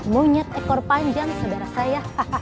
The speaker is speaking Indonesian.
monyet ekor panjang saudara saya